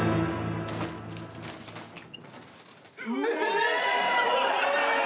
え！